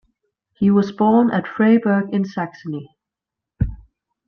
He was born at Freiberg in Saxony.